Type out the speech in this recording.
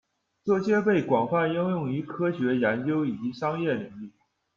这些被广泛应用于科学研究以及商业领域。